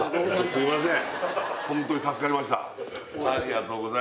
すいません